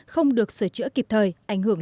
không được sửa chữa kịp thời ảnh hưởng